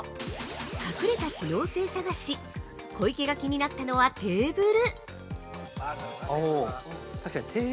◆隠れた機能性探し小池が気になったのはテーブル。